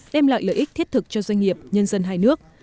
đem lại lợi ích thiết thực cho doanh nghiệp nhân dân hai nước